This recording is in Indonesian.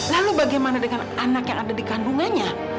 lalu bagaimana dengan anak yang ada di kandungannya